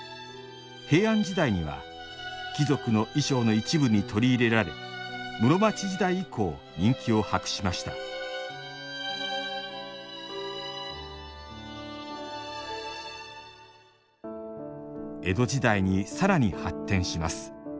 平安時代には貴族の衣装の一部に取り入れられ室町時代以降人気を博しました江戸時代にさらに発展します。